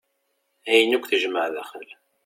Ayen akk tejmaɛ daxel.